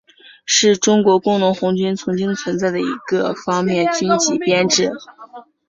是中国工农红军曾经存在的一个方面军级编制。